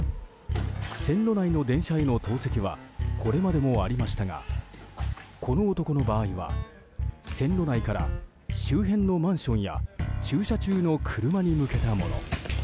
線路内の電車への投石はこれまでもありましたがこの男の場合は線路内から周辺のマンションや駐車中の車に向けたもの。